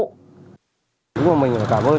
chúng tôi cảm ơn các chiến sĩ công an phòng cháy cháy này